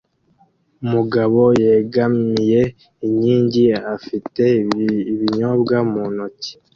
Umugabo yegamiye inkingi afite ibinyobwa mu ntoki